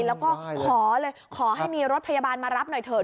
แล้วก็ขอเลยขอให้มีรถพยาบาลมารับหน่อยเถอะ